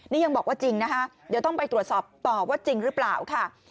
นี่ยังบอกว่าจริงนะคะเดี๋ยวต้องไปตรวจสอบต่อว่าจริงหรือเปล่าค่ะ